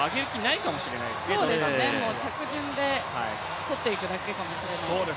着順で取っていくだけかもしれない。